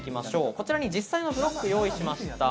ここに実際のブロックを用意しました。